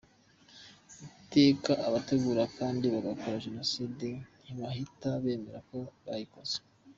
Iteka abategura kandi bagakora Jenoside ntibahita bemera ko bayikoze.